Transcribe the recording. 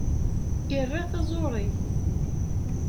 Ira taẓuri.